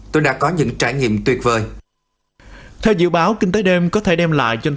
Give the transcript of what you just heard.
tôi đã có những trải nghiệm tuyệt vời theo dự báo kinh tế đêm có thể đem lại cho